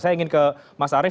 saya ingin ke mas arief